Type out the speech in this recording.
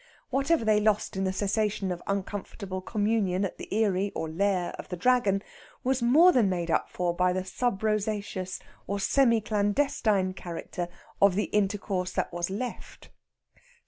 Whatever they lost in the cessation of uncomfortable communion at the eyrie, or lair, of the Dragon was more than made up for by the sub rosaceous, or semi clandestine, character of the intercourse that was left.